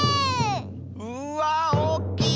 うわあおっきい！